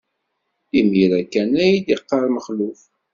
Imir-a kan ay d-iqarr Mexluf.